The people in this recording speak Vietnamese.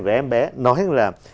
về em bé nói là